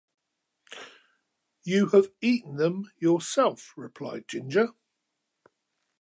"You have eaten them yourself," replied Ginger.